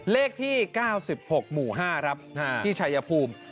เลขที่๙๖หมู่๕ครับที่ชายภูมิ